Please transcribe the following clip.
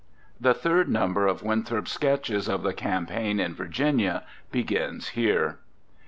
The third number of Winthrop's Sketches of the Campaign in Virginia begins here.